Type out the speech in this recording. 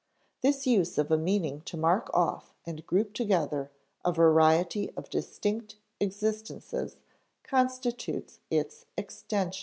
This use of a meaning to mark off and group together a variety of distinct existences constitutes its extension.